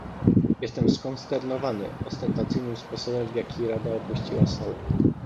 Jestem skonsternowany ostentacyjnym sposobem, w jaki Rada opuściła salę